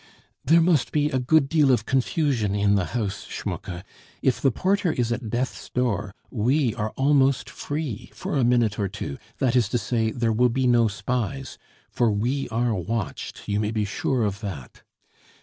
"There must be a good deal of confusion in the house, Schmucke; if the porter is at death's door, we are almost free for a minute or two; that is to say, there will be no spies for we are watched, you may be sure of that.